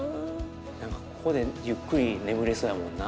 何かここでゆっくり眠れそうやもんな。